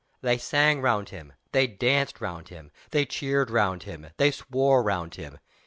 They sang round him, they danced round him, they cheered round him, they swore round him.